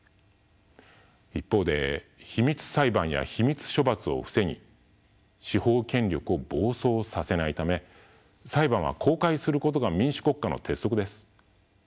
一方で秘密裁判や秘密処罰を防ぎ司法権力を暴走させないため裁判は公開することが民主国家の鉄則です。